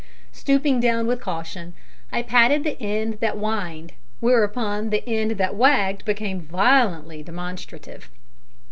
Stooping down with caution, I patted the end that whined, whereupon the end that wagged became violently demonstrative.